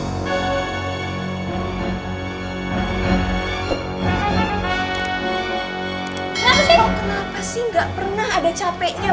nanti kok kenapa sih gak pernah ada capeknya